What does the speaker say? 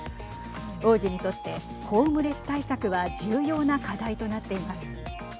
王子にとってホームレス対策は重要な課題となっています。